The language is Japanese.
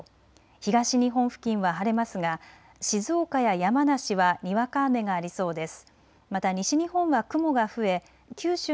東日本付近は晴れますが静岡や山梨は、にわか雨がありそうです。